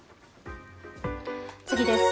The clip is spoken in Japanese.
次です。